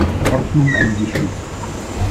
Ordnung eingestuft.